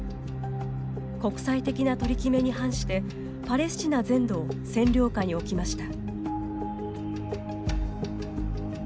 国際的な取り決めに反してパレスチナ全土を占領下に置きました。